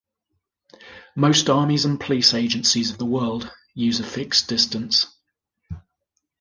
Most armies and police agencies of the world use a fixed distance.